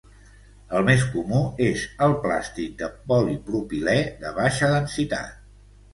El més comú és el plàstic de polipropilè de baixa densitat.